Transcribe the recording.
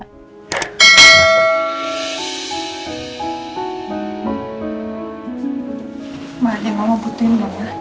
gak ada yang mau butuhin bu